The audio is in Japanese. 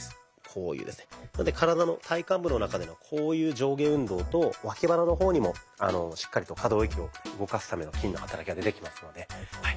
なので体の体幹部の中でのこういう上下運動と脇腹の方にもしっかりと可動域を動かすための筋の働きが出てきますので。